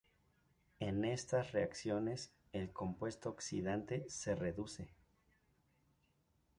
En estas reacciones, el compuesto oxidante se reduce.